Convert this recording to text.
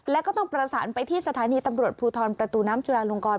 แล้วก็ต้องประสานไปที่สถานีตำรวจภูทรประตูน้ำจุลาลงกร